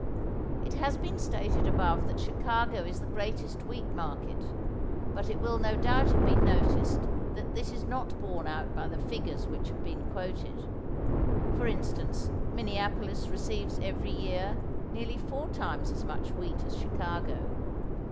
It has been stated above that Chicago is the greatest wheat market, but it will no doubt have been noticed that this is not borne out by the figures which have been quoted. For instance, Minneapolis receives every year nearly four times as much wheat as Chicago.